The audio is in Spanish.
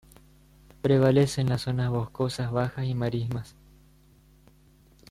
Prevalecen las zonas boscosas bajas y marismas.